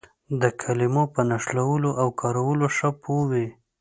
د کلمو په نښلولو او کارولو ښه پوه وي.